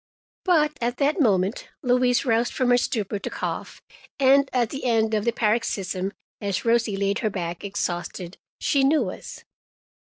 But at that moment Louise roused from her stupor to cough, and at the end of the paroxysm, as Rosie laid her back, exhausted, she knew us.